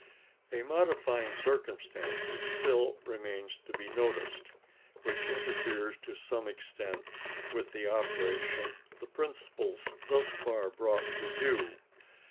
A modifying circumstance still remains to be noticed, which interferes to some extent with the operation of the principles thus far brought to view.